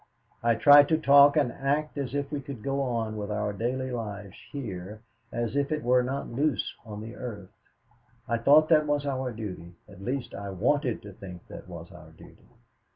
I tried to talk and act as if we could go on with our daily lives here as if it were not loose on the earth. I thought that was our duty at least, I wanted to think that was our duty.